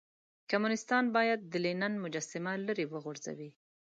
کمونيستان بايد د لينن مجسمه ليرې وغورځوئ.